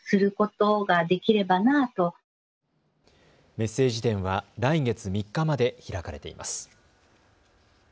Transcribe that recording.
メッセージ展は来月３日まで開かれています。